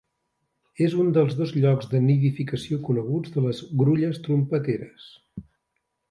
És un dels dos llocs de nidificació coneguts de les grulles trompeteres.